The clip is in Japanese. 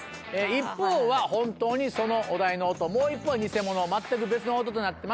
一方は本当にそのお題の音もう一方は偽物全く別の音となってます。